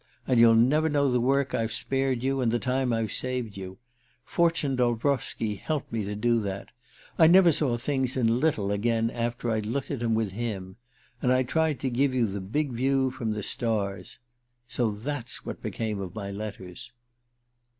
And you'll never know the work I've spared you and the time I've saved you. Fortune Dolbrowski helped me do that. I never saw things in little again after I'd looked at 'em with him. And I tried to give you the big view from the stars... So that's what became of my letters."